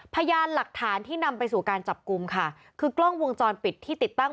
พยานหลักฐานที่นำไปสู่การจับกลุ่มค่ะคือกล้องวงจรปิดที่ติดตั้ง